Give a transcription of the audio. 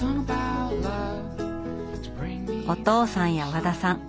お父さんや和田さん